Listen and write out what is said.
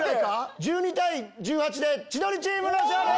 １２対１８で千鳥チームの勝利！